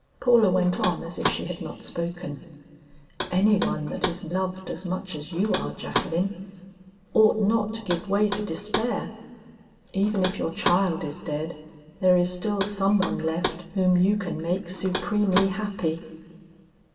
Paula went on as if she had not spoken. "Any one that is loved as much as you are, Jacqueline, ought not to give way to despair; even if your child is dead, there is still some one left whom you can make supremely happy."